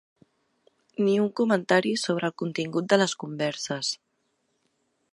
Ni un comentari sobre el contingut de les converses.